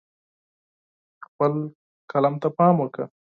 خپل قلم ته پام کوه.